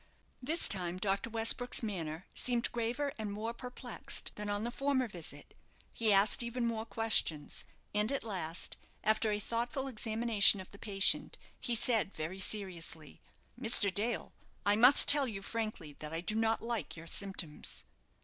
This time Dr. Westbrook's manner seemed graver and more perplexed than on the former visit. He asked even more questions, and at last, after a thoughtful examination of the patient, he said, very seriously "Mr. Dale, I must tell you frankly that I do not like your symptoms."